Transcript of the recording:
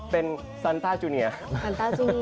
เป็นซานต้าจูเนียร์